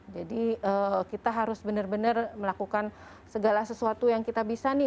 jadi kita harus benar benar melakukan segala sesuatu yang kita bisa nih